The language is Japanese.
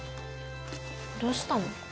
どうしたの？